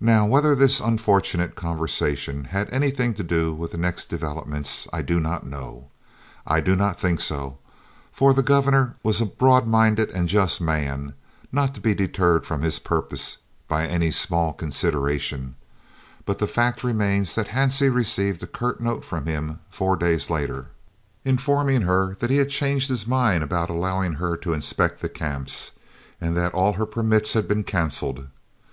Now, whether this unfortunate conversation had anything to do with the next developments I do not know. I do not think so, for the Governor was a broadminded and just man, not to be deterred from his purpose by any small consideration, but the fact remains that Hansie received a curt note from him four days later, informing her that he had changed his mind about allowing her to inspect the Camps, and that all her permits had been cancelled.